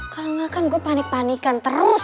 kalau gak kan gue panik panikan terus